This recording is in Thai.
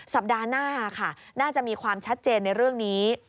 สัปดาห์หน้าค่ะน่าจะมีความชัดเจนในเรื่องนี้